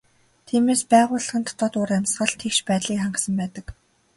Тиймээс байгууллагын дотоод уур амьсгал тэгш байдлыг хангасан байдаг.